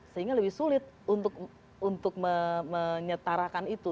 sehingga lebih sulit untuk menyetarakan itu